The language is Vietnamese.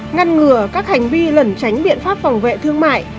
ngăn ngừa các hành vi lẩn tránh biện pháp phòng vệ thương mại